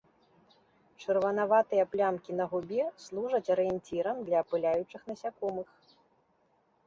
Чырванаватыя плямкі на губе служаць арыенцірам для апыляючых насякомых.